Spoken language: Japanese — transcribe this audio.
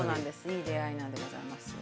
いい出会いなんでございます。